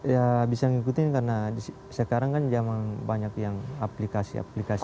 ya bisa ngikutin karena sekarang kan zaman banyak yang aplikasi aplikasi